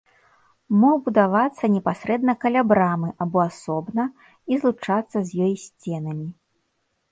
Мог будавацца непасрэдна каля брамы, або асобна і злучацца з ёй сценамі.